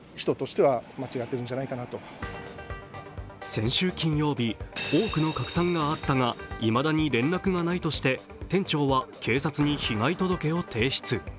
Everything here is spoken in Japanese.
先週金曜日、多くの拡散があったがいまだに連絡がないとして店長は、警察に被害届を提出。